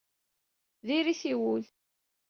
Diri-t i wul.